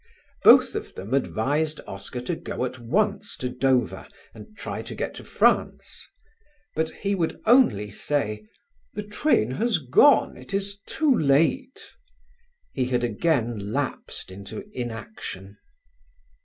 Both of them advised Oscar to go at once to Dover and try to get to France; but he would only say, "the train has gone; it is too late." He had again lapsed into inaction.